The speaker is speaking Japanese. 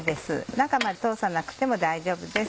中まで通さなくても大丈夫です。